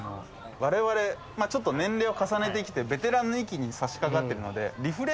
われわれ年齢を重ねてきてベテランの域に差しかかってるので。